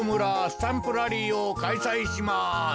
スタンプラリーをかいさいします！